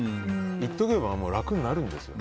言っとけば楽になるんですよ。